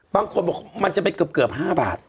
บางคนบอกว่ามันจะเป็นเกือบ๕บาท